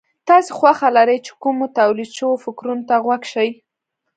تاسې خوښه لرئ چې کومو توليد شوو فکرونو ته غوږ شئ.